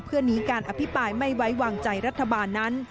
เพื่อนี้การอภิปรายไม่ไว้วางใจรัฐบาลนั้น